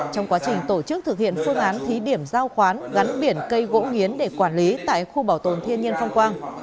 trong quá trình tổ chức thực hiện phương án thí điểm giao khoán gắn biển cây gỗ nghiến để quản lý tại khu bảo tồn thiên nhiên phong quang